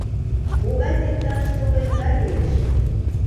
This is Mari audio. Могай тендан сугыньыда лиеш...